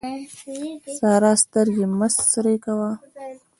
سارا سترګې مه سرې کوه.